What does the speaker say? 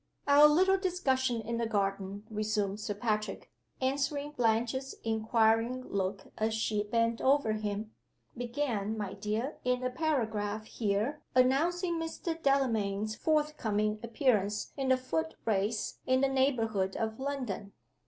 "Our little discussion in the garden," resumed Sir Patrick, answering Blanche's inquiring look as she bent over him, "began, my dear, in a paragraph here announcing Mr. Delamayn's forthcoming appearance in a foot race in the neighborhood of London.